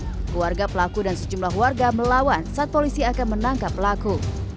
keluarga pelaku dan sejumlah warga melawan saat polisi akan menangkap pelaku